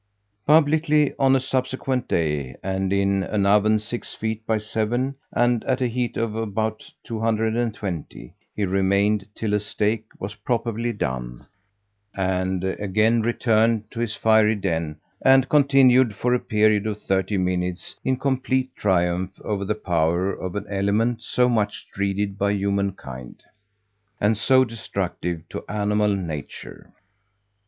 Publicly, on a subsequent day, and in an oven 6 feet by 7, and at a heat of about 220, he remained till a steak was properly done, and again returned to his fiery den and continued for a period of thirty minutes, in complete triumph over the power of an element so much dreaded by humankind, and so destructive to animal nature.